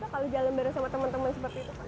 kalau jalan bareng sama teman teman seperti itu pak